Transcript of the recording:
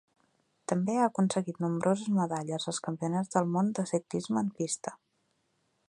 També ha aconseguit nombroses medalles als Campionats del Món de Ciclisme en pista.